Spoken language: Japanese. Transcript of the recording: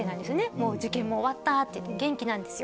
「もう受験も終わった」って言って元気なんですよ